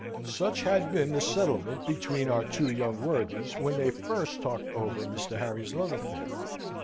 Such had been the settlement between our two young worthies, when they first talked over Mr. Harry's love affair.